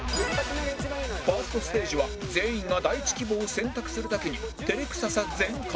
１ｓｔ ステージは全員が第１希望を選択するだけに照れくささ全開